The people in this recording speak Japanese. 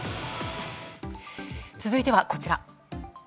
続いては、こちら。